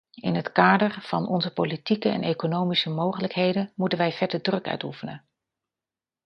In het kader van onze politieke en economische mogelijkheden moeten wij verder druk uitoefenen.